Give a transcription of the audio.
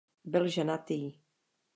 Byl ženatý.